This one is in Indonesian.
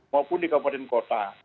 maupun di kabupaten kota